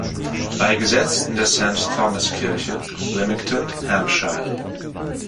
Beigesetzt in der St.-Thomas-Kirche, Lymington, Hampshire.